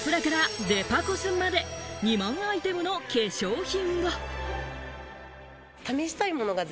プチプラからデパコスまで２万アイテムの化粧品が。